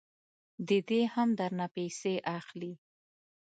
ددې هم درنه پیسې اخلي.